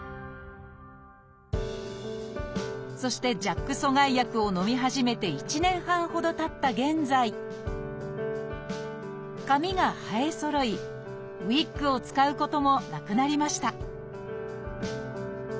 そしてＪＡＫ阻害薬をのみ始めて１年半ほどたった現在髪が生えそろいウイッグを使うこともなくなりました